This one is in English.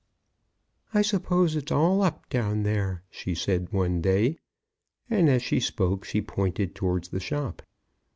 "I suppose it's all up down there," she said one day, and as she spoke she pointed towards the shop.